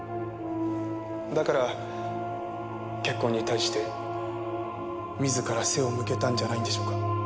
だから結婚に対して自ら背を向けたんじゃないんでしょうか。